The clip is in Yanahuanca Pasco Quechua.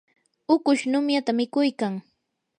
ukush numyata mikuykan.